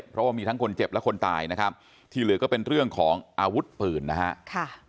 เพราะว่ามีทั้งคนเจ็บและคนตายนะครับที่เหลือก็เป็นเรื่องของอาวุธปืนนะฮะ